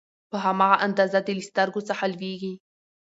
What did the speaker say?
په هماغه اندازه دې له سترګو څخه لوييږي